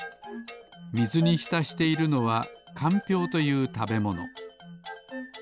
みずにひたしているのはかんぴょうというたべもの。